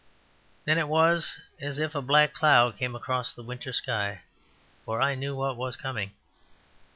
Then it was as if a black cloud came across the winter sky; for I knew what was coming.